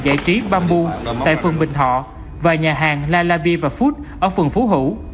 giải trí bamboo tại phường bình thọ và nhà hàng la la beer food ở phường phú hữu